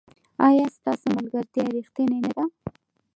ایا ستاسو ملګرتیا ریښتینې نه ده؟